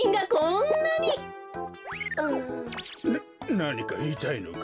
なにかいいたいのか？